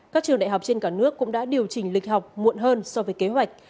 các trường đại học trên cả nước cũng đã điều chỉnh lịch học muộn hơn so với kế hoạch